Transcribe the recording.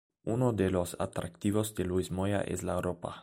Uno de los atractivos de Luis Moya es la ropa.